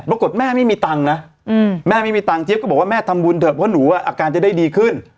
ปรากฏแม่ไม่มีตังค์นะแม่ไม่มีตังค์เจี๊ยบก็บอกว่าแม่ทำบุญเถอะเพราะหนูอาการจะได้ดีขึ้น